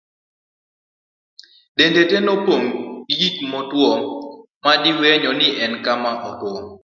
dende te nopong' gi gik motuwo nediweyo ni en kama otwo